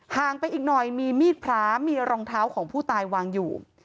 งไปอีกหน่อยมีมีดพระมีรองเท้าของผู้ตายวางอยู่